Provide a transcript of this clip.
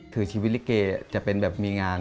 คือชีวิตลิเกจะเป็นแบบมีงาน